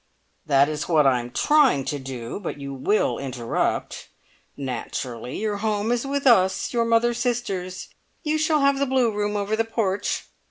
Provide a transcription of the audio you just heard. "That is what I am trying to do, but you will interrupt. Naturally, your home is with us, your mother's sisters. You shall have the blue room over the porch.